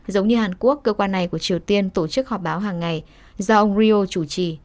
giống như hàn quốc cơ quan này của triều tiên tổ chức họp báo hàng ngày do ông rio chủ trì